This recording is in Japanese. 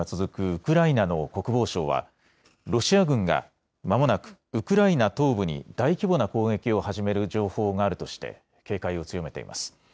ウクライナの国防省はロシア軍がまもなくウクライナ東部に大規模な攻撃を始める情報があるとして警戒を強めています。